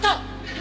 何？